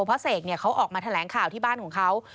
เพราะเสกเขาออกมาแถลงข่าวที่บ้านของเขา